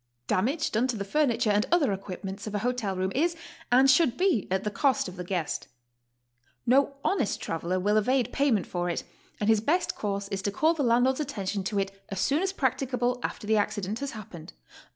Damage done to the furniture and other equipments of a hotel room is and should be at the cost of the guest. No honest traveler will evade payment for it, and his best course is to call the landlord's attention to it as soon as practicable after the accident has happened.